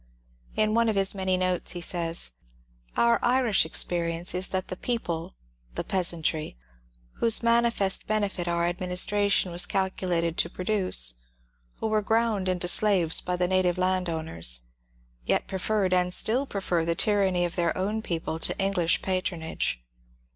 In one of his many notes he says :— Our Irish experience is that the people (the peasantry)^ whose manifest benefit our administration was calculated to produce, who were ground into slaves by the native landowners, yet preferred and still prefer the tyranny of their own people to English patronage.